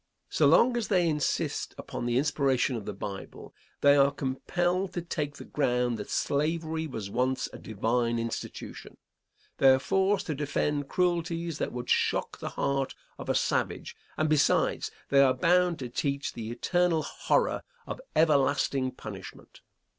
So long as they insist upon the inspiration of the Bible, they are compelled to take the ground that slavery was once a divine institution; they are forced to defend cruelties that would shock the heart of a savage, and besides, they are bound to teach the eternal horror of everlasting punishment.